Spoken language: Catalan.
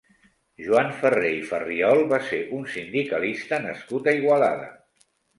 Joan Ferrer i Farriol va ser un sindicalista nascut a Igualada.